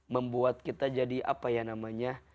membuat kita jadi apa ya namanya